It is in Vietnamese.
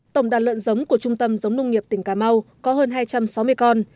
tổng đàn lợn giống của trung tâm giống nông nghiệp tỉnh cà mau có hơn hai trăm sáu mươi con